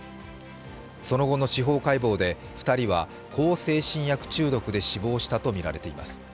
その後の司法解剖で２人は向精神薬中毒で死亡したとみられています。